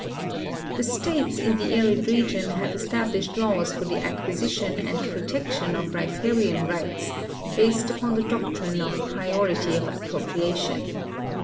The states in the arid region have established laws for the acquisition and protection of riparian rights, based upon the doctrine of priority of ai)i>roi)riation.